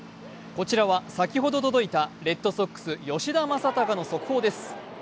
こちらは先ほど届いたレッドソックスの吉田正尚の速報です。